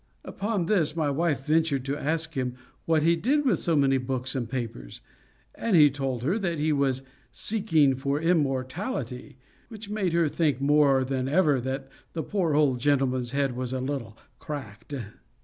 Upon this my wife ventured to ask him, what he did with so many books and papers? and he told her, that he was "seeking for immortality"; which made her think, more than ever, that the poor old gentleman's head was a little cracked.